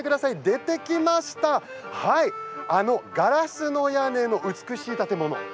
出てきました、ガラスの屋根の美しい建物。